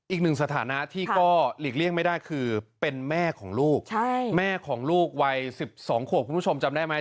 อีกหนึ่งสถานะที่ก็หลีกเลี่ยงไม่ได้คือเป็นแม่ของลูกแม่ของลูกวัย๑๒ขวบคุณผู้ชมจำได้ไหม